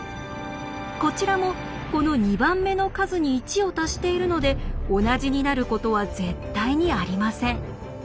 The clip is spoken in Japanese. こちらもこの２番目の数に１を足しているので同じになることは絶対にありません。